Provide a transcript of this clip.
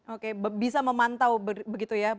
oke bisa memantau begitu ya